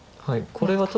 はい。